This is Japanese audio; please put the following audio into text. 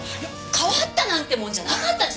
変わったなんてもんじゃなかったです！